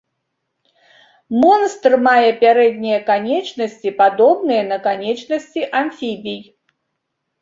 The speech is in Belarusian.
Монстр мае пярэднія канечнасці, падобныя на канечнасці амфібій.